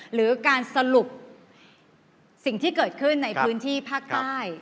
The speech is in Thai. หรือการสรุปสิ่งที่เกิดขึ้นในพื้นที่ภาคใต้